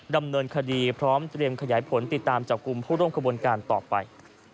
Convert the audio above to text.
ดำเนินคดีพร้อมเตรียมขยายผลติดตามจับกลุ่มผู้ร่วมขบวนการต่อไป